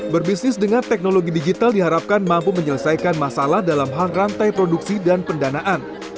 berbisnis dengan teknologi digital diharapkan mampu menyelesaikan masalah dalam hal rantai produksi dan pendanaan